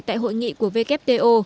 tại hội nghị của wto